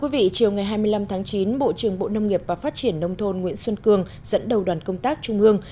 vị chiều hai mươi năm chín bộ trưởng bộ nông nghiệp và phát triển nông thôn nguyễn xuân cương dẫn đầu đoàn công tác trung ương